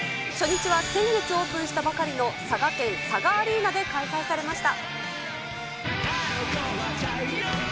初日は先月オープンしたばかりの佐賀県ＳＡＧＡアリーナで開催されました。